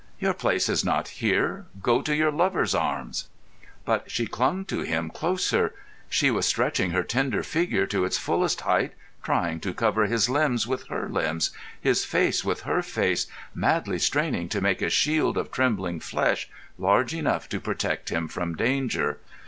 Your place is not here. Go to your lover's arms." But she clung to him closer. She was stretching her slender figure to its fullest height, trying to cover his limbs with her limbs, his face with her face, madly straining to make a shield of trembling flesh large enough to protect him from danger.